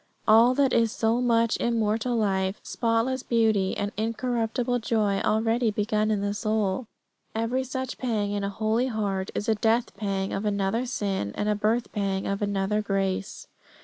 All that is so much immortal life, spotless beauty, and incorruptible joy already begun in the soul. Every such pang in a holy heart is a death pang of another sin and a birth pang of another grace.